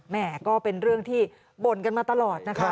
แม่ก็เป็นเรื่องที่บ่นกันมาตลอดนะคะ